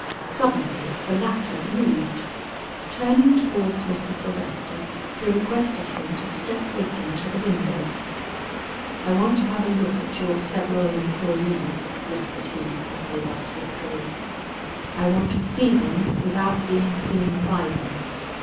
Suddenly the latter moved. Turning towards Mr. Sylvester, he requested him to step with him to the window. "I want to have a look at your several employees," whispered he, as they thus withdrew. "I want to see them without being seen by them.